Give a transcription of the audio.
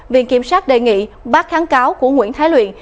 viện kiểm sát đề nghị bác kháng cáo của nguyễn thái luyện